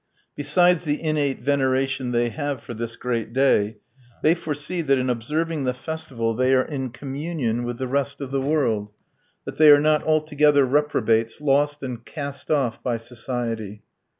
Besides the innate veneration they have for this great day, they foresee that in observing the festival they are in communion with the rest of the world; that they are not altogether reprobates lost and cast off by society.